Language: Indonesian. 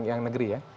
yang negeri ya